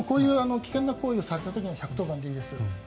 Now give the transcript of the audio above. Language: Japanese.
危険な行為をされた場合は１１０番でいいです。